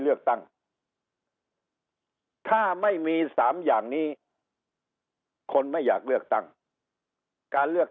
เลือกตั้งถ้าไม่มี๓อย่างนี้คนไม่อยากเลือกตั้งการเลือก